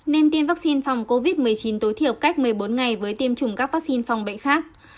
nên tiêm vaccine phòng covid một mươi chín tối thiểu cách một mươi bốn ngày với tiêm chủng các vaccine phòng bệnh khác